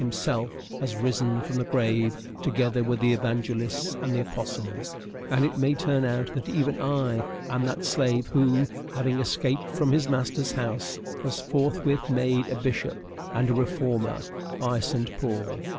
himself, has risen from the grave together with the evangelists and the apostles; and it may turn out that even I am that slave who, having escaped from his master's house, was forthwith made a bishop and a reformer by St. Paul.